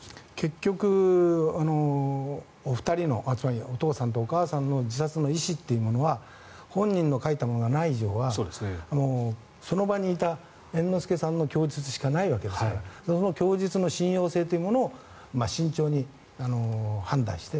結局、お二人のつまりお父さんとお母さんの自殺の意思というのは本人の書いたものがない以上はその場にいた猿之助さんの供述しかないわけですからそうするとその供述の信用性というものを慎重に判断して。